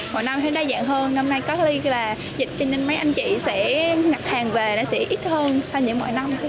mọi năm thì đa dạng hơn năm nay có lý là dịch cho nên mấy anh chị sẽ mặt hàng về sẽ ít hơn so với mọi năm